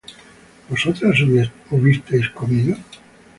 ¿vosotras hubisteis comido?